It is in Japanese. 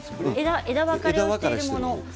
枝分かれしているもの